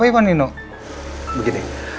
ayo duduk duduk sini